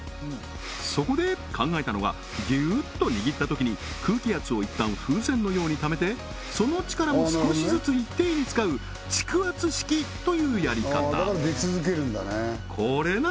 そこで考えたのがギューッと握ったときに空気圧を一旦風船のように貯めてその力を少しずつ一定に使う蓄圧式というやり方